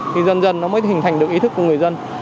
thì dần dần nó mới hình thành được ý thức của người dân